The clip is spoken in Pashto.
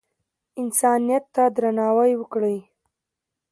انسانیت ته درناوی وکړئ